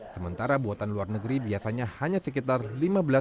sementara buatan luar negeri biasanya hanya sekitar sepuluh orang